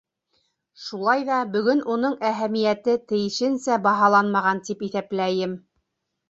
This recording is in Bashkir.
— Шулай ҙа бөгөн уның әһәмиәте тейешенсә баһаланмаған тип иҫәпләйем.